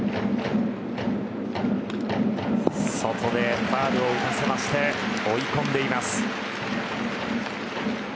外でファウルを打たせまして追い込んでいます。